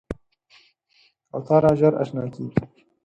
کوتره ژر اشنا کېږي.